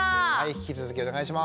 引き続きお願いします。